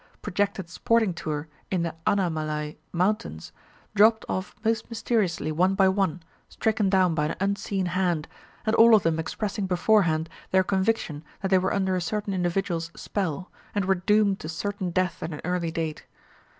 projected sporting tour in the Anamalai mountains, dropped off most mysteriously one by one, stricken down by an unseen hand, and all of them expressing beforehand their conviction that they were under a certain individual's spell, and were doomed to certain death at an early date.